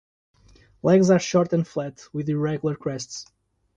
Legs are short and flat with irregular crests.